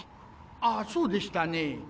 あそうでしたね。